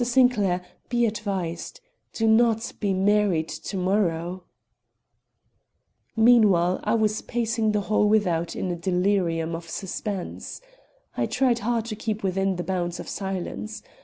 Sinclair, be advised; do not be married to morrow!" Meanwhile I was pacing the hall without in a delirium of suspense. I tried hard to keep within the bounds of silence.